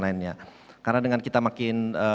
lainnya karena dengan kita makin